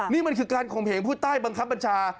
นี่มันคือการข่มเหงผู้ใต้บังคับบัญชา